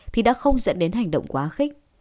thì đã không dẫn đến hành động quá khích